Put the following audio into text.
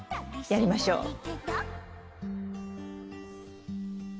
やりましょう。